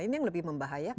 ini yang lebih membahayakan